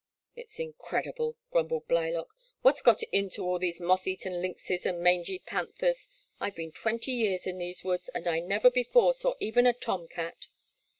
'' It 's incredible, '' grumbled Blylock ;*' what 's got into all these moth eaten lynxes and mangy panthers; I *ve been twenty years in these woods, and I never before saw even a tom cat."